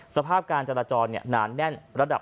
สภาพการจราจรหนาแน่นระดับ